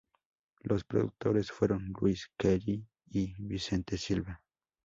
Los productores fueron Luis Kelly y Vicente Silva.